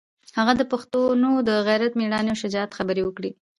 هغه د پښتنو د غیرت، مېړانې او شجاعت خبرې وکړې.